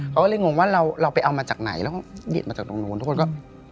เขาก็เลยงงว่าเราไปเอามาจากไหนแล้วก็หยิบมาจากตรงนู้นทุกคนก็